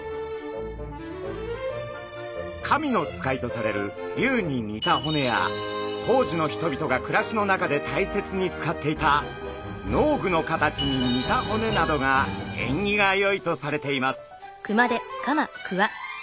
神の使いとされる龍に似た骨や当時の人々が暮らしの中で大切に使っていた農具の形に似た骨などが縁起がよいとされています。